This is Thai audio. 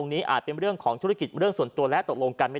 ในรถคันนึงเขาพุกอยู่ประมาณกี่โมงครับ๔๕นัท